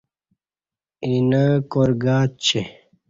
اینہ کار گاچی